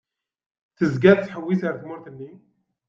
Tezga tettḥewwis ar tmurt-nni.